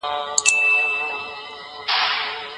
موږ ژوند غواړو.